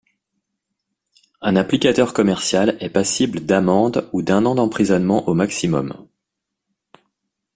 Un applicateur commercial est passible de d'amende ou d'un an d'emprisonnement au maximum.